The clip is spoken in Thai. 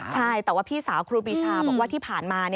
ใช่แต่ว่าพี่สาวครูปีชาบอกว่าที่ผ่านมา